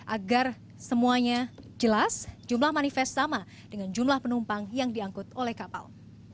agar semuanya jelas jumlah manifest sama dengan jumlah penumpang yang diangkut oleh kapal